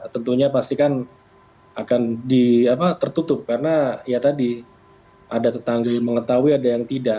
tentunya pasti kan akan tertutup karena ya tadi ada tetangga yang mengetahui ada yang tidak